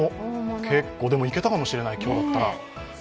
でも、いけたかもしれない、今日だったら。